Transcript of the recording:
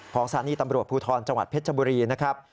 สถานีตำรวจภูทรจังหวัดเพชรบุรีนะครับ